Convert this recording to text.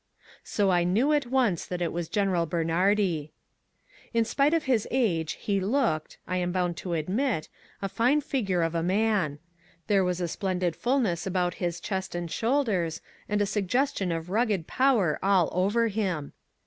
So I knew at once that it was General Bernhardi. In spite of his age he looked I am bound to admit it a fine figure of a man. There was a splendid fullness about his chest and shoulders, and a suggestion of rugged power all over him.